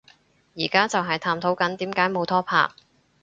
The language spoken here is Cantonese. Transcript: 而家就係探討緊點解冇拖拍